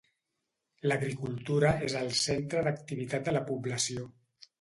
L'agricultura és el centre d'activitat de la població.